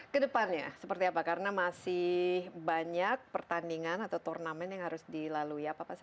kedepannya seperti apa karena masih banyak pertandingan atau turnamen yang harus dilalui apa apa saja